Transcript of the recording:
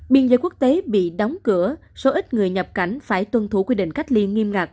biên giới quốc tế bị đóng cửa số ít người nhập cảnh phải tuân thủ quy định cách ly nghiêm ngặt